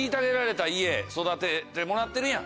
育ててもらってるやん。